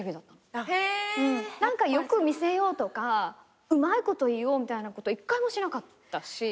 何かよく見せようとかうまいこと言おうみたいなことは１回もしなかったし。